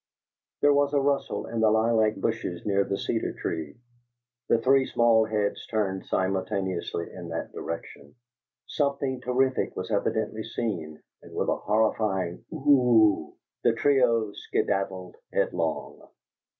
There was a rustle in the lilac bushes near the cedar tree; the three small heads turned simultaneously in that direction; something terrific was evidently seen, and with a horrified "OOOH!" the trio skedaddled headlong.